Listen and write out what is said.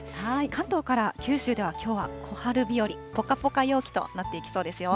関東から九州ではきょうは小春日和、ぽかぽか陽気となっていきそうですよ。